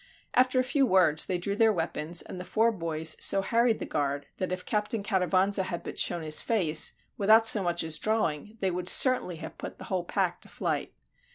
After a few words they drew their weapons, and the four boys so harried the guard that if Captain Cattivanza had but shown his face, without so much as drawing, they would certainly have put the whole pack to flight.